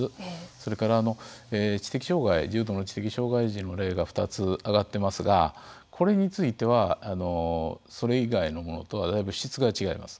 それから、知的障害重度の知的障害児の例が２つ挙がっていますがこれについては、それ以外のものとはだいぶ質が違います。